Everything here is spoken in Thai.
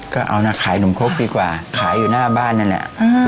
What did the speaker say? ก็เอานะขายนมครกดีกว่าขายอยู่หน้าบ้านนั่นแหละ